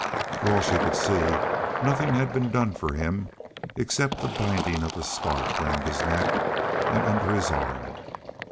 For all she could see, nothing had been done for him except the binding of a scarf round his neck and under his arm.